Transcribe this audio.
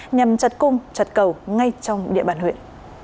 nhằm chặt cung trật cầu ngay trong địa bàn huyện